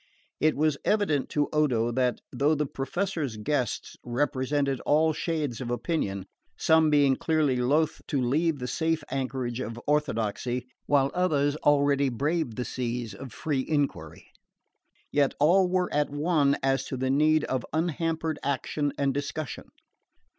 It was evident to Odo that, though the Professor's guests represented all shades of opinion, some being clearly loth to leave the safe anchorage of orthodoxy, while others already braved the seas of free enquiry, yet all were at one as to the need of unhampered action and discussion.